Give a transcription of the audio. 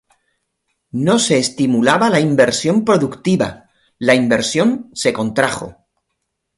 No se estimulaba la inversión productiva, la inversión se contrajo.